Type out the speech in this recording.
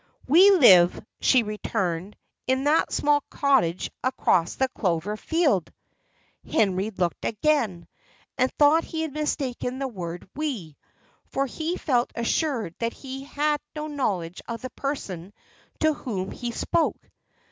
"We live," she returned, "in that small cottage across the clover field." Henry looked again, and thought he had mistaken the word we; for he felt assured that he had no knowledge of the person to whom he spoke.